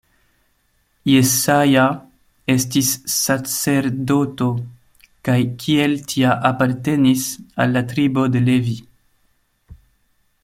Jesaja estis sacerdoto kaj kiel tia apartenis al la tribo de Levi.